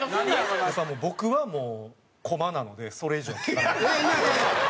僕はもう駒なのでそれ以上聞かないで。